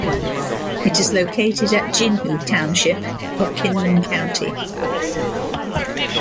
It is located at Jinhu Township of Kinmen County.